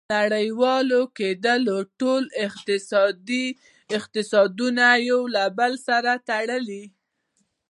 • نړیوال کېدل ټول اقتصادونه یو له بل سره تړي.